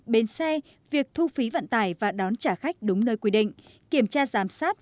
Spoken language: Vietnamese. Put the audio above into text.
bến xe việc thu phí vận tải và đón trả khách đúng nơi quy định kiểm tra giám sát